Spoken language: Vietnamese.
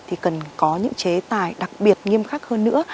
thì cần có những chế tài đặc biệt nghiêm khắc hơn nữa